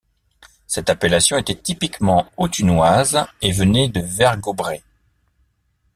Cette appellation était typiquement autunoise et venait de vergobret.